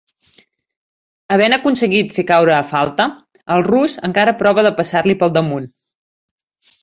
Havent aconseguit fer caure a Falta, el rus encara prova de passar-li pel damunt.